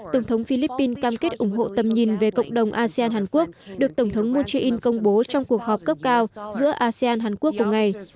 tổng thống philippines cam kết ủng hộ tầm nhìn về cộng đồng asean hàn quốc được tổng thống moon jae in công bố trong cuộc họp cấp cao giữa asean hàn quốc cùng ngày